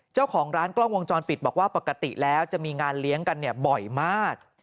เจ้าของร้านกล้องวงจรปิดบอกว่าปกติแล้วจะมีงานเลี้ยงกันบ่อยมาก